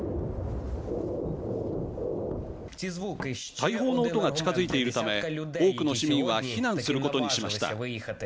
大砲の音が近づいているため多くの市民は避難することにしました。